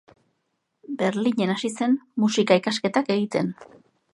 Berlinen hasi zen musika-ikasketak egiten.